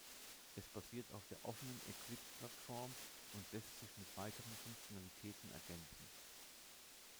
Es basiert auf der offenen Eclipse-Plattform und lässt sich mit weiteren Funktionalitäten ergänzen.